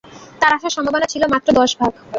তার আসার সম্ভাবনা ছিল মাত্র দশভাগ।